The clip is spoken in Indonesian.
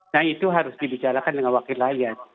nah itu harus dibicarakan dengan wakil rakyat